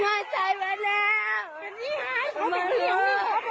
มันมาลูก